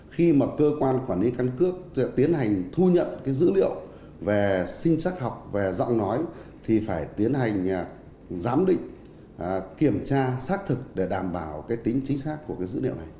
khi mà cơ quan quản lý căn cước tiến hành thu nhận dữ liệu về sinh chắc học về giọng nói thì phải tiến hành giám định kiểm tra xác thực để đảm bảo cái tính chính xác của cái dữ liệu này